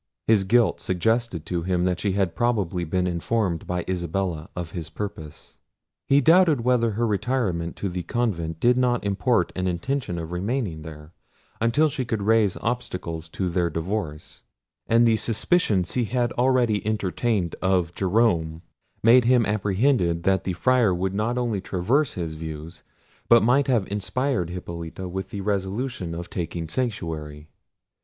His guilt suggested to him that she had probably been informed by Isabella of his purpose. He doubted whether her retirement to the convent did not import an intention of remaining there, until she could raise obstacles to their divorce; and the suspicions he had already entertained of Jerome, made him apprehend that the Friar would not only traverse his views, but might have inspired Hippolita with the resolution of taking sanctuary.